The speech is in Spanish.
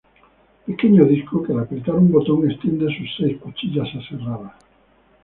Pequeño disco que al apretar un botón extiende sus seis cuchillas aserradas.